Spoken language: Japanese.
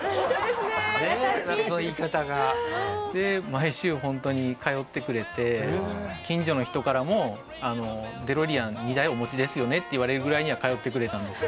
毎週ホントに通ってくれて近所の人からもデロリアン２台お持ちですよね？って言われるぐらいには通ってくれたんです。